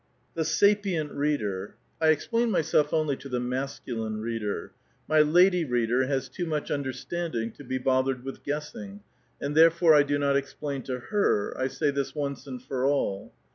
195 vni. sapient reader — I explain m3'8elf only to the mas cnlin ^ reader ; my lady reader has too much understanding to b^ bothered with guessing, and therefore 1 do not explain to heir ; I say this once and for all.